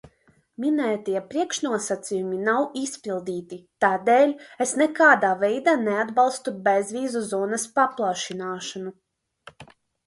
Minētie priekšnosacījumi nav izpildīti, tādēļ es nekādā veidā neatbalstu bezvīzu zonas paplašināšanu.